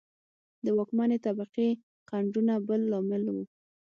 د واکمنې طبقې خنډونه بل لامل و.